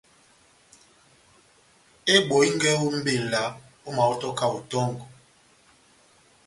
Ebɔhingé ó mbéla ómahɔ́to kahote tɔ́ngɔ